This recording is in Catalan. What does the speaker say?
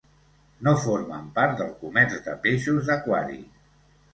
No formen part del comerç de peixos d'aquari.